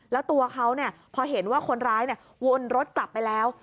แล้วตัวเขาพอเห็นว่าคนร้ายวนรถกลับไปแล้ว